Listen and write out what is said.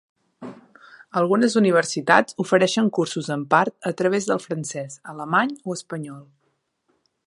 Algunes universitats ofereixen cursos en part a través del francès, alemany o espanyol.